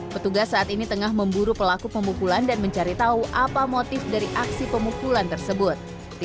petugas saat ini tengah memburu pelaku pemukulan dan mencari tahu apa motif dari aksi pemukulan tersebut